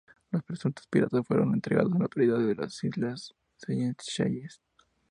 Los presuntos piratas fueron entregados a las autoridades de las Islas Seychelles.